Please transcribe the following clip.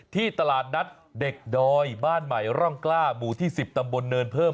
ที่ตลาดนัดเด็กดอยบ้านใหม่ร่องกล้าหมู่ที่๑๐ตำบลเนินเพิ่ม